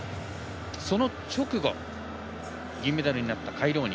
その直後、銀メダルになったカイローニ。